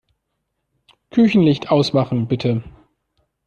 Küchenlicht ausmachen, bitte.